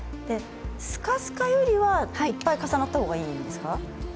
すかすかよりはいっぱい固まった方がいいですか。